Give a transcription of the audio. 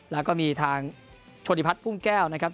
แล้วก็มีทางโชธิพัฒน์พุ่งแก้วนะครับ